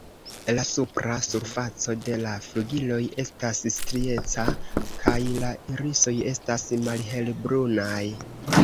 La supra surfaco de la flugiloj estas strieca, kaj la irisoj estas malhelbrunaj.